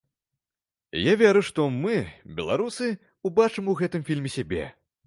Я веру, што мы, беларусы, убачым у гэтым фільме сябе.